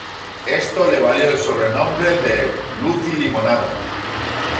Esto le valió el sobrenombre de "Lucy Limonada".